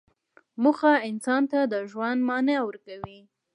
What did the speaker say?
موخه انسان ته د ژوند معنی ورکوي.